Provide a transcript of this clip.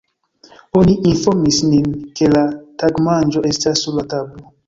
Oni informis nin, ke la tagmanĝo estas sur la tablo.